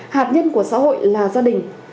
hạt nhân của xã hội là gia đình